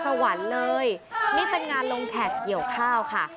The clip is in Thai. สวรรค์เลยนี่เป็นงานลงแขกเกี่ยวข้าวค่ะ